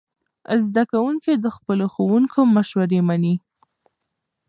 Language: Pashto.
زده کوونکي د خپلو ښوونکو مشورې مني.